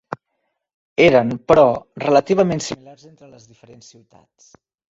Eren, però, relativament similars entre les diferents ciutats.